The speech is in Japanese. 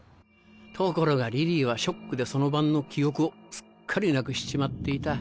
ところがリリーはショックでその晩の記憶をすっかりなくしちまっていた。